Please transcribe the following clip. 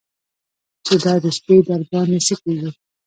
چې دا د شپې درباندې څه کېږي.